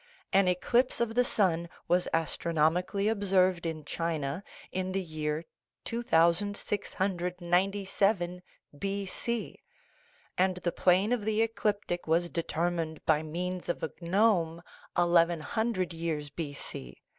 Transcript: An eclipse of the sun was astronomically observed in China in the 366 SOLUTION OF THE WORLD PROBLEMS year 2697 B.C., and the plane of the ecliptic was deter mined by means of a gnome eleven hundred years B.C.